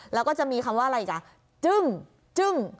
แล้วก็จะมีคำว่าอะไรจ๊ะจึ้งจึ้ง